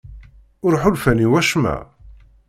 Ur ḥulfan i wacemma?